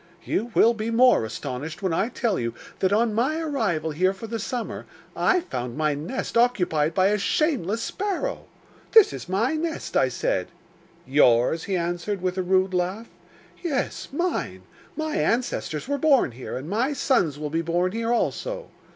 'You will be more astonished when I tell you that on my arrival here for the summer I found my nest occupied by a shameless sparrow! "This is my nest," I said. "Yours?" he answered, with a rude laugh. "Yes, mine; my ancestors were born here, and my sons will be born here also."